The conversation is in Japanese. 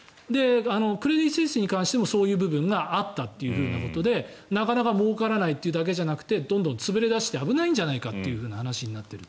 クレディ・スイスに関してもそういう部分があったということでなかなかもうからないというだけじゃなくてどんどん潰れ出して危ないんじゃないかという話になっている。